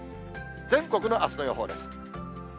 全国のあすの予報です。